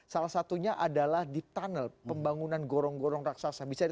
salah satunya adalah di tunnel pembangunan gorong gorong raksasa